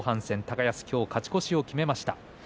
高安、今日勝ち越しを決めました。